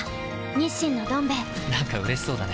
「日清のどん兵衛」なんかうれしそうだね。